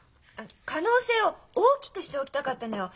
可能性を大きくしておきたかったのよ。